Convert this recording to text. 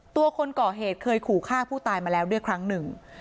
คนก่อเหตุเคยขู่ฆ่าผู้ตายมาแล้วด้วยครั้งหนึ่ง